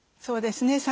そうですね